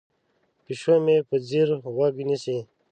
پیشو مې په ځیر غوږ نیسي.